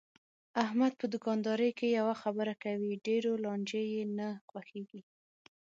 احمد په دوکاندارۍ کې یوه خبره کوي، ډېرو لانجې یې نه خوښږي.